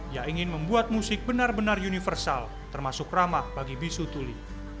ia ingin membuat musik benar benar universal termasuk ramah bagi bisu tuli